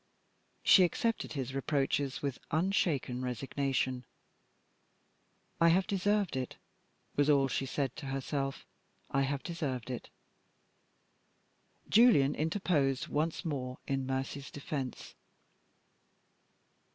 She accepted his reproaches with unshaken resignation. "I have deserved it!" was all she said to herself, "I have deserved it!" Julian interposed once more in Mercy's defense.